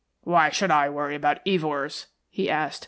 "Why should I worry about Evors?" he asked.